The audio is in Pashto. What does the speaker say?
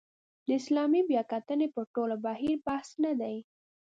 د اسلامي بیاکتنې پر ټول بهیر بحث نه دی.